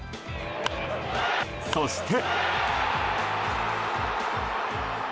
そして。